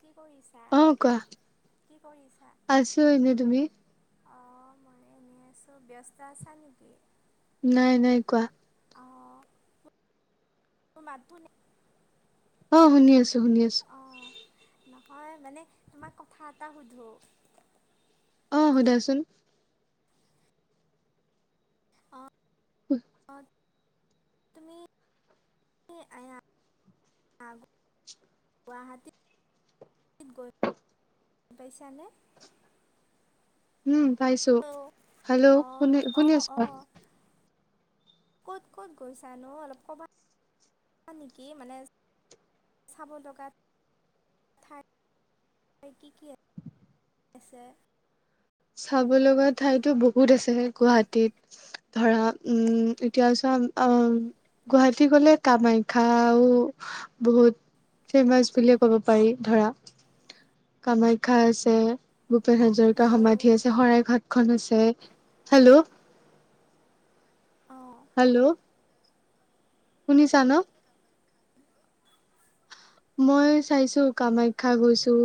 কি কৰিছা? অ কোৱা কি আছো এনে। তুমি? অ মই এনেই আছো। ব্যস্ত আছা নেকি? নাই, নাই। কোৱা। অঁহ মই মাতোঁ নেকি? অহ শুনি আছোঁ শুনি আছোঁ অঁ নহয় মানে তোমাক কথা এটা সুধো অ সোধাচোন অহঁ অহঁ [unintelligible] আইয়া আহঁ গুৱাহাটী গৈ পাইছানে উম পাইছো অঁ হেল্ল' শুনি শুনি অঁ আছাঁ অঁ ক'ত ক'ত গৈছানো অলপ কবা নেকি মানে চাব লগাত ঠাই চাব লগা কি কি আছে চাব লগা ঠাইতো বহুত আছে হে গুৱাহাটীত ধৰা উম এতিয়া চোৱা অ গুৱাহাটী গলে কামাখ্যা আও বহুত ফেমাচ বুলিয়ে ক'ব পাৰি ধৰা কামাখ্যা আছে ভূপেন হাজৰিকা হেল্ল' সমাধি আছে শৰাই ঘাট খন আছে এহ হেল্ল' অঁ হেল্ল' শুনিছা নহ মই চাইছো কামাখ্যা গৈছোঁ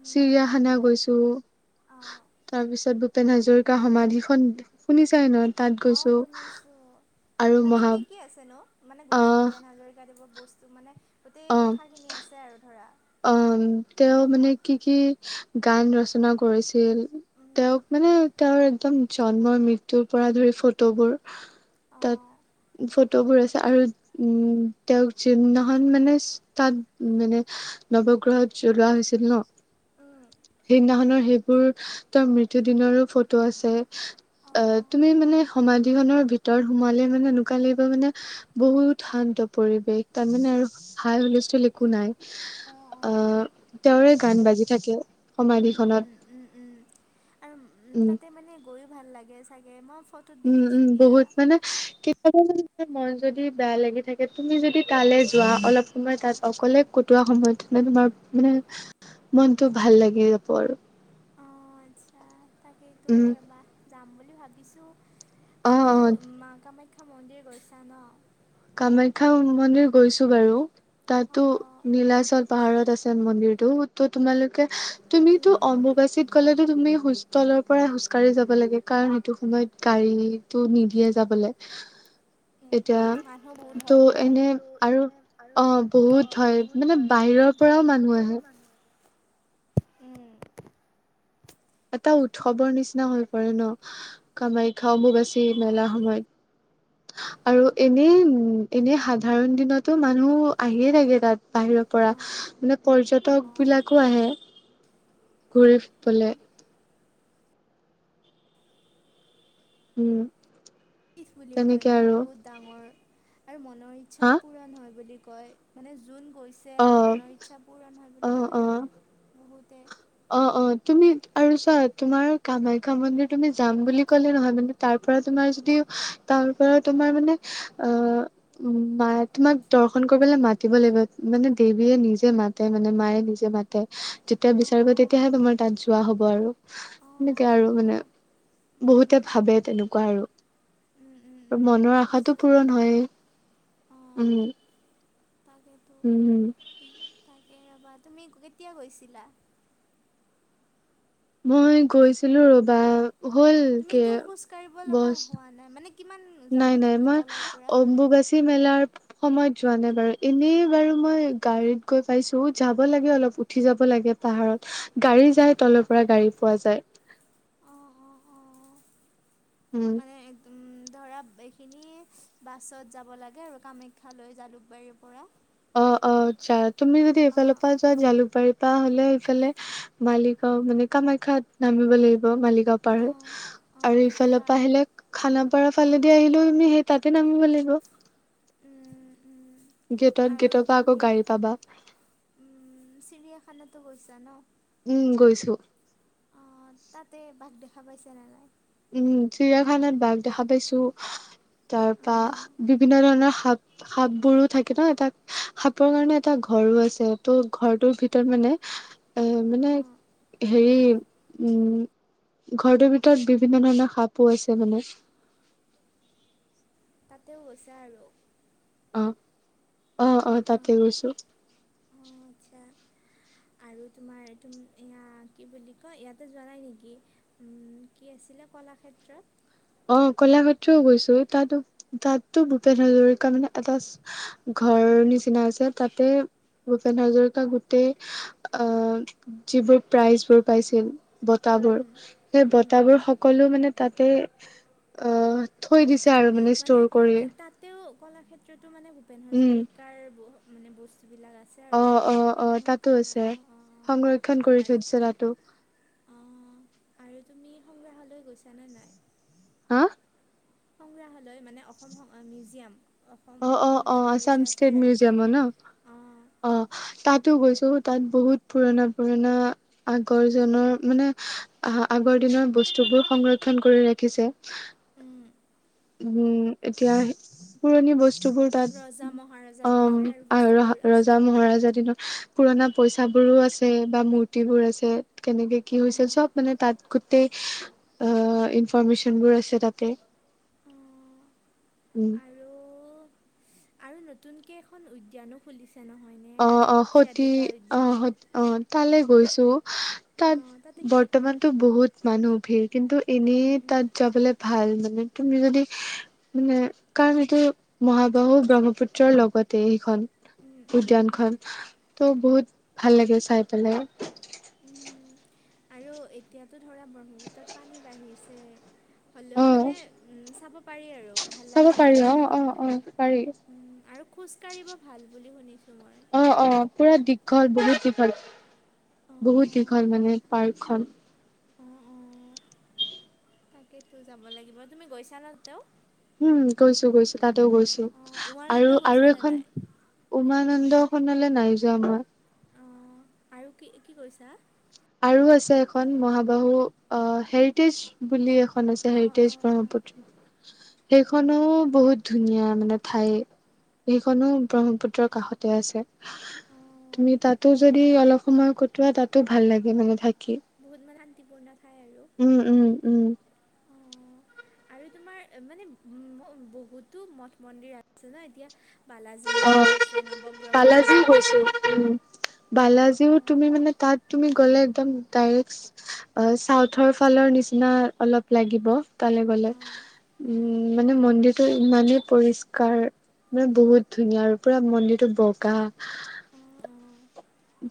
উম, চিৰিয়াখানা গৈছোঁ অঁ তাৰপিছত ভূপেন হাজৰিকা সমাধিখন শুনি চাই নহঁ অ শুনিছো তাতে মহা কি কি আছে নো মানে গোটেই আহ ভূপেন হাজৰিকা দেৱৰ বহুত মানে গোটেই অ কথা খিনি আছে আৰু ধৰা অ ব তেওঁ মানে কি কি গান ৰচনা কৰিছিল উম তেওঁক মানে তেওঁৰ একদম জন্মৰ মৃত্যুৰ পৰা ধৰি ফটোবোৰ তাত অঁ ফটো ফটোবোৰ আছে আৰু উম তেওঁক যিদিনাখন মানে তাত মানে নৱগ্ৰহত জ্বলোৱা হৈছিল নহ উম সেইদিনাখনৰ সেইবোৰ তাৰ মৃত্যু দিনৰো ফটো আছে অ অঁ তুমি মানে সমা গিখনৰ ভিতৰত সোমালে মানে এনেকুৱা লাগিব মানে বহুত শান্ত পৰিৱেশ তাৰ মানে আৰু হাই হুলস্থল একো নাই অঁ অঁ আহ তেওঁৰে গান বাজি থাকে উম সমাধিখনত উম উম উম আৰু উম তাতে মানে গৈ ভাল লাগে চাগে মই ফটোত উম উম দেখিছোঁ দিয়া বহুত মানে কি তোমাৰ মন যদি বেয়া লাগি থাকে তুমি যদি তালে যোৱা অলপ সময় তাত অকলে কটোৱা সময়ত মানে তোমাৰ মানে মনটো ভাল লাগি যাব আৰু তাকেইটো উম এবাৰ যাম বুলি ভাবিছো অ' আৰু অ' মা কামাখ্যা মন্দিৰ গৈছা নহঁ কামাখ্যা মন্দিৰ গৈছো বাৰু তাতো অঁ নীলাচল পাহাৰত আছে মন্দিৰটো ত' তোমালোকে উম তুমিতো উম অম্বুবাচীত গ'লেতো তুমি হোচতেলৰ পৰাই খোজকাঢ়ি যাব লাগে কাৰণ সেইটো সময়ত গাড়ীটো নিদিয়ে যাবলৈ উম, এতিয়া মানুহ বহুত হয় ত' বোলে এনে তহ আৰু এনে আৰু অ বহুত অহ হয় বহুত মানে হয় বাহিৰৰ মানে পৰাও বাহিৰৰ মানুহ আহে পৰাও মানুহ উম এটা উৎসৱৰ নিচিনা হৈ পৰে নহ কামাখ্যা অম্বুবাচী অ', মেলাৰ সময়ত আৰু এনেই এনে সাধাৰণ দিনতো মানুহ আহিয়ে থাকে তাতঁ বাহিৰৰ পৰা অ', অ', মানে পৰ্যটক অ', বিলাকো আহে ঘুৰিবলৈ। উম। পঠ বুলি কয় তেনেকে ন আৰু বহুত ডাঙৰ আৰু মনৰ হা ইচ্ছাও পূৰণ হয় বুলি ক। কয় মানে যোন। হৈছে অ মনৰ ইচ্ছা পূৰণ হয় অ বুলি কয় অ বহুতে। অ অ তুমি আৰু চোৱা তোমাৰ কামাখ্যা মন্দিৰ তুমি যাম বুলি কলে নহয় মানে তাৰ পৰা তোমাৰ যদি। তাৰ পৰা তোমাৰ মানে অ উ মা তোমাক দৰ্শন কৰিবলৈ মাতিব লাগিব। মানে দেৱীয়ে নিজে মাতে মানে মায়ে নিজে মাতে যেতিয়া বিচাৰিব অ', তেতিয়াহে তোমাৰ তাত যোৱা হয়। হব আৰু অ', এনেকে অ', আৰু মানে অ', বহুতে উম। ভাবে তেনেকুৱা আৰু। উম, উম, আৰু উম, মনৰ আশাতটো বুজিছোঁ পূৰণ হয়েই অ'। উম। তাকেতো উম হম। তাকে ৰ'বা তুমি কেতিয়া গৈছিলা। মই গৈছিলো ৰ'বা। হ'ল কে তুমিতো খোজ কঢ়িব লগা বছ হোৱা নাই মানে। কিমান যাব নাই নাই লাগে মই তলৰ পৰা? অম্বুবাচী মেলাৰ। সময়ত যোৱা নাই বাৰু এনেই বাৰু মই গাড়ীত গৈ পাইছো যাব লাগে অলপ উঠি যাব লাগে। পাহাৰত গাড়ী যায় তলৰ পৰা গাড়ী পোৱা যায়। উম। মানে একদম। ধৰা এইখিনি বাছত যাব লাগে আৰু কামাখ্যালৈ জালুকবাৰীৰ পৰা। অ অ আচ্ছা তুমি যদি এইফালৰ অ', পৰা যোৱা জালুকবাৰী। পা হলে সফালে মালিগাঁও মানে কামাখ্যাত নামিব লাগিব মালিগাঁও পাৰ হৈ। অ', অ', আৰু ইফালৰ তাৰ পৰা আহিলে খানাপাৰা ফালেদি আহিলেও তুমি সেই তাতে নামিব লাগিব। উম, উম। গেটত আৰু গেটৰ পৰা আকৌ তুমি গাড়ী পাবা। উম, চিৰিয়াখানাতো গৈছা ন। উম গৈছোঁ। অ তাতে বাঘ দেখা পাইছে নে নাই। উম চিৰিয়াখানাত বাঘ দেখা পাইছো তাৰ পৰা অ', বিভিন্ন ধৰণৰ সাপ সাপ বোৰো থাকে ন এটা সাপৰ কাৰণে এটা ঘ। ঘৰো আছে ত' ঘৰটোৰ ভিতৰত মানে এ মানে। অ', হেৰি উম ঘৰটোৰ ভিতৰত বি। বিভিন্ন ধৰণৰ সাপো আছে মানে। তাতেও গৈছে আৰু। আহ অ তাতে গৈছো। অঁ আচ্ছা আৰু তোমাৰ হেৰি কি কয় এয়াতো পেলাই নিদিয়ে। ক্ষেত্ৰত। অ কলাক্ষেত্ৰত ও গৈছো তাতো তাতো ভূপেন হাজৰিকা মানে এটা। ঘৰ নিচিনা আছে তাতে। ভূপেন হাজৰিকা গোটেই যিবোৰ প্ৰাইজ বোৰ পাইছিল ব। বোৰ উম, সেই উম, বতাবোৰ সকলো মানে তাতে। অ থৈ দিছে আৰু মানে ষ্টৰ কৰি। এ, তাতেও কলাক্ষেত্ৰতো মানে ভূপেন হাজৰিকাৰ বহু মানে বস্তু। আহ অ আহ তাতো হয় আছে অঁ অঁ অঁ সংৰক্ষণ কৰি আৰু থৈ দিছে তাতো। অঁ [unintelligible] আৰু তুমি সংগ্ৰাহালয় গৈছা নে নাই। হা। সংগ্ৰাহালয় মানে অসম মিউজিয়াম। অসম অ অ অ সংগ্ৰহালয় আছাম যে আছে ষ্টেট ৰাজ্যিক মিউজিয়ামৰ ন অঁ অ ত। গৈছো তাত বহুত পুৰণা পুৰণা আগৰজনৰ মানে আগৰ। বস্তুবোৰ সংৰক্ষণ কৰি ৰাখিছে। উম। উম এতিয়া পুৰণি বস্তু বস্তুবোৰ তাত ৰজা মহাৰজা অ দিনৰে আৰু আহ ৰ বস্তুবোৰ আছে ৰজা আৰু মহাৰাজা দিনৰ পুৰণা পইচাবোৰো আছে বা মূৰ্তিবোৰ আছে কেনেকে কি হৈছিল চব মানে তাত গোটেই অ ইনফৰমেশচন বোৰ আছে তাতে। উম। আৰু আৰু নতুনকে এখন উদ্যানো খুলিছে। নহয়নে অ ৰাধ অ সতী সতি ৰাধিকা অ উদ্যান অ তালৈ গৈছো। অঁ তাতে তাত কি বৰ্তমানতো বহুত মানুহ ভিৰ। কিন্তু উম এনেই উম তাত যাবলে ভাল মানে। তুমি যদি মানে কাৰণ এইটো মহাবাহু ব্ৰহ্মপুত্ৰৰ লগতে সেইখন উম। উম উদ্যানখন ত' বহুত ভাল লাগে চাই পেলাই। উম আৰু এতিয়াতো ধৰা ব্ৰহ্মপুত্ৰৰ পানী বাঢ়িছে। হলেও অ মানে উম চাব পাৰি আৰু ভাল চাব লাগে আৰু পাৰি অ ধৰা অ অ পাৰিম আৰু খোজকাঢ়িব ভাল বুলি শুনিছোঁ? মই অ অ পুৰা দীঘল বহুত দীঘল। বহুত অঁ দীঘল মানে পাৰ্কখন। অঁ অঁ তাকেতো যাব লাগিব তুমি গৈছা ন তেওঁ? হুম গৈছো গৈছো। তাতো গৈছো অঁ উমানন্দ আৰু আৰু গৈছানে এখন নাই উমানন্দ খনলে নাই যোৱা মই। অ আৰু কি, কি কৰিছা? আৰু আছে এখন মহাবাহু অ হেৰিটেজ বুলি এখন আছে অঁ হেৰিটেজ অঁ অঁ ব্ৰহ্ম পুত্ৰ। সেইখনো বহুত ধুনীয়া মানে ঠাই সেইখনো ব্ৰহ্মপুত্ৰৰ কাষতে আছে। অঁ তুমি তাতো যদি অলপ সময় কটোৱা তাতো ভাল লাগে মানে থাক বহু মানে শান্তিপূৰ্ণ। ঠাই আৰু উম উম উম অঁ [unintelligible] আৰু তোমাৰ মানে উ বহুতো মঠ মন্দিৰ আছে ন এতিয়া বালাজী অ মন্দিৰ আছে নৱগ্ৰহ বালাজী মন্দিৰ আছে। গৈছো উম। বালাজীও অঁ তুমি মানে তাত তুমি গলে একদম ডাইৰেক্ট অ চাউথৰ ফালৰ নিচিনা অলপ লাগিব তালে গ লে, অঁ অঁ উম মানে মন্দিৰটো ইমানেই পৰিষ্কাৰ মানে বহুত ধুনীয়া আৰু পুৰা মন্দিৰটো বগা। অ অ।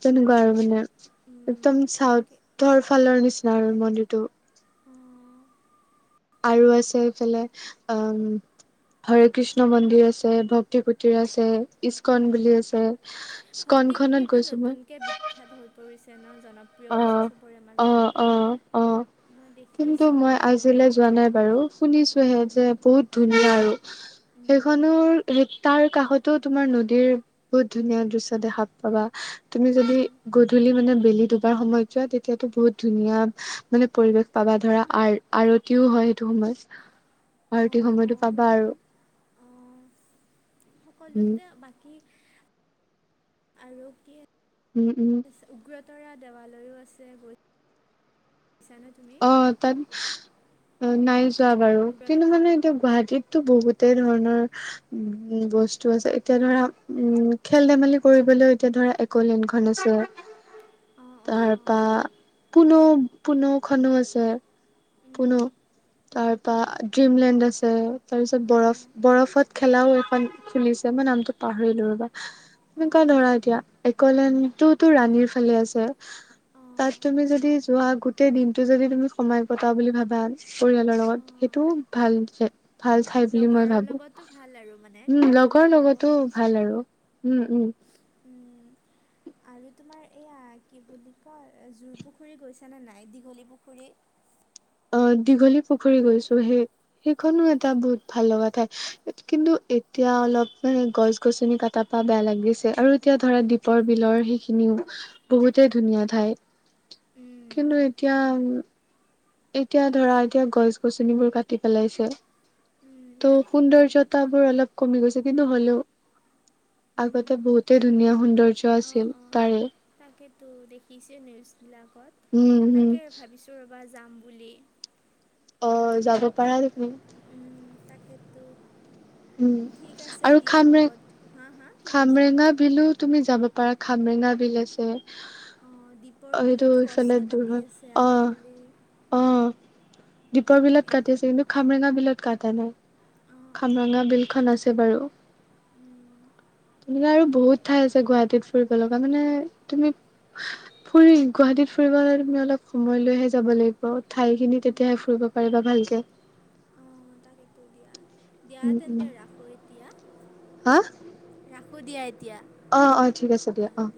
তেনেকুৱা আৰু মানে একদম তাকে চাউথৰ ফালৰ নিচিনা আৰু মন্দিৰটো। অঁ। আৰু আছে এইফালে অহ হৰে কৃষ্ণ মন্দিৰ আছে ভক্তিকুটীৰ আছে, ইস্কন বুলি আছে। ইস্কন ভক্তিকুটীৰ খনত টো গৈছো মই নতুনকে বিখ্যাত হৈ পৰিছে ন? জনপ্ৰিয় অ হৈছে চবৰে অ অ অ মাজত। মই দেখি কিন্তু আছোঁ মই মোবাইলত আজিলৈ বাৰু যোৱা নাই বাৰু। শুনিছোঁহে উম, যে উম, বহুত ধুনীয়া আৰু। উম, সেইখনোৰ তাৰ কাষতো তোমাৰ নদীৰ বহুত ধুনীয়া দৃশ্য দেখা পাবা। তুমি যদি উম, গধূলি মানে বেলি বা সময়ত যোৱা তেতিয়াতো বহুত ধুনীয়া মানে, পৰিবেশ পাবা ধৰা আৰ আৰতিও হয় সেইটো সময়ত। [unintelligible] আৰতি অঁ সময়তটো অঁ পাবা আৰু অঁ উম সকলোতে বাকী আৰু কি উম- উম তৰা দেৱালয়ো আছে গৈ অহ, তাত নাই যোৱা বাৰু উগ্ৰত কিন্তু মানে এতিয়া গুৱাহাটীত তো বহুতেই ধৰণৰ উম বস্তু আছে এতিয়া ধৰা উম খেল -ধেমালি কৰিব বলৈ এতিয়া ধৰা একোলেণ্ডখন আছে। অঁ অঁ অঁ তাৰপা পুনো - পুনোক খনো আছে পোনো উম, বা ড্ৰিমলেণ্ড আছে তাৰ পিছত বৰফ অঁ -বৰফত খেলাও এখন খুলিছে মই নামটো পাহৰিলো ৰবা। এনেকুৱা অঁ ধৰা এতিয়া একলেণ্ডটোতো ৰাণীৰ ফালে আছে তাত অঁ তুমি যদি যোৱা গোটেই দিন টো যদি তুমি সময় কতা বুলি ভাবা পৰিয়ালৰ লগত অঁ সেইটোও ভাল পিছে। ভাল ঠাই বুলি মই লগৰৰ ভাবো লগতো ভাল আৰু মানে উম সময় লগৰ কটাব লগতো ভাল আৰু উম -উম উম, আৰু তোমাৰ এইয়া কি বুলি কয় জোৰ-পুখুৰী গৈছা নে নাই দীঘলী পুখুৰী? [inaudible] অহ, দীঘলী পুখুৰী গৈছো সেই -সেইখনো এটা বহুত ভাল লগা ঠাই কিন্তু এ তিয়া অলপ মানে গছ-গছনি কাটাৰ পৰা বেয়া লাগি গৈছে আৰু এতিয়া ধৰা দীপৰ বিলৰ সেইখিনিও বহুতেই ধুনীয়া ঠাই উম, কিন্তু এতিয়া উম। এতিয়া ধৰা এতিয়া গছ-গছনিবোৰ কাটি পেলাইছে উম, ত' তাকেতো সৌন্দৰ্যতাবোৰ অলপ কমি গৈছে কিন্তু হ'লেও উম, আগতে বহুত ধুনীয়া সৌন্দৰ্য অঁ আছিল অঁ তাৰে। তাকেতো দেখিছে নিউজ বিলাকত উম হম তাকে ভাবিছো ৰ- বা যাম বুলি অহ, যাব পাৰা তুমি। উম, তাকেতো। উম, ঠিক আছে আৰু দিয়া খামৰে হ'ব হা হা কি কৈছা খামৰেঙা বিলো তুমি যাব পাৰা খামৰেঙা বিল আছে। অহ, দ্বীপৰ অ সেইটো বিলতো ইফালে গছ দূৰ কাটি হয় আছে অ আজিকালি অ দীপৰ বিলত তাকেতো কাটিছে কিন্তু খামৰেঙা বিলত কাটা নাই। অঁ অঁ খামৰেঙা বিলখন আছে বাৰু। উম তোমাৰো বহুত তাকেতো ঠাই আছে গুৱাহাটীত ফুৰিব লগা মানে তুমি ফুৰি গুৱাহাটীত ফুৰিব হলে তুমি অলপ সময় লৈহে যাব লাগিব ঠাই খিনি উম তেতিয়াহে ফুৰিব ফুৰিব পাৰিবা ভালকে। সেইটো দিয়া- দিয়া উম তেন্তে উম ৰাখো এতিয়া ৰাখো দিয়া এত অহ -অহ ঠিক আছে দিয়া অহ।